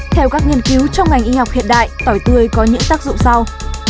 theo các nghiên cứu trong ngành y học hiện đại tỏi tươi có những tác dụng sau